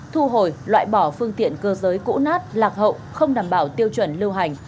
thu hồi loại bỏ phương tiện cơ giới cũ nát lạc hậu không đảm bảo tiêu chuẩn lưu hành